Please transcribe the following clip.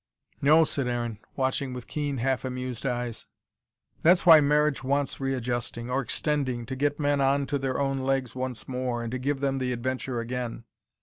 "No," said Aaron, watching with keen, half amused eyes. "That's why marriage wants readjusting or extending to get men on to their own legs once more, and to give them the adventure again.